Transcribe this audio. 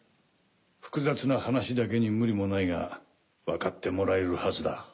複雑な話だけに無理もないがわかってもらえるはずだ。